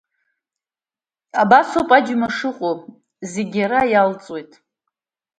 Абас ауп аџьма шыҟоу зегь иара иалҵуеит.